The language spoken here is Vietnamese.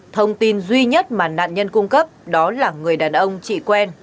thông tin duy nhất mà nạn nhân cung cấp đó là người đàn ông chị quen